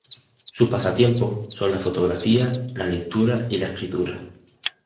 Sus pasatiempos son la fotografía, la lectura y la escritura.